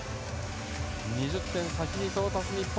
２０点先に到達、日本。